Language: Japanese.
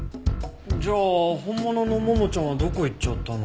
じゃあ本物のももちゃんはどこ行っちゃったの？